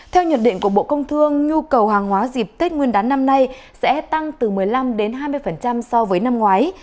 theo nhận định của bộ công thương nhu cầu hàng hóa dịp tết nguyên đán năm nay sẽ tăng từ một mươi năm đến hai mươi so với năm ngoái